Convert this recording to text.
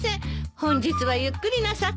本日はゆっくりなさってくださいね。